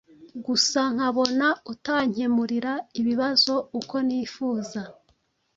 gusa nkabona utankemurira ibibazo uko nifuza.